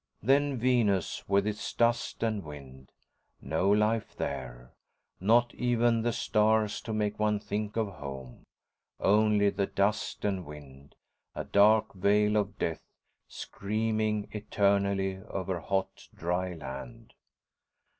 Then Venus, with its dust and wind. No life there. Not even the stars to make one think of home. Only the dust and wind, a dark veil of death screaming eternally over hot dry land.